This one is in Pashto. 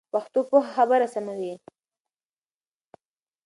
پښتو پوهه خبري سموي.